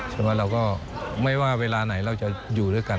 เราก็ไม่ว่าเวลาไหนเราจะอยู่ด้วยกัน